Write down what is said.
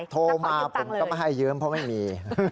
โทรมาผมก็ไม่ให้ยืมเพราะไม่มี